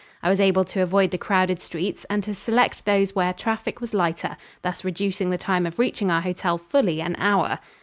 I was able to avoid the crowded streets and to select those where traffic was lighter, thus reducing the time of reaching our hotel fully an hour.